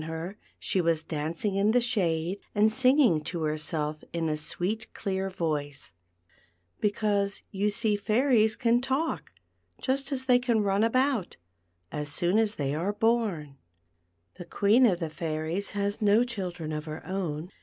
her, she v/as dancing in the shade and singing to herself in a sweet clear voice, because you see fairies can talk, just as they can run about, as soon as they are born. The Queen of the Fairies has no children of her own.